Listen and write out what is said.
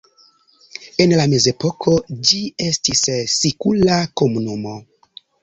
En la mezepoko ĝi estis sikula komunumo.